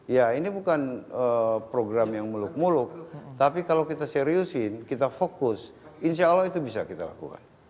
ya ini bukan program yang muluk muluk tapi kalau kita seriusin kita fokus insya allah itu bisa kita lakukan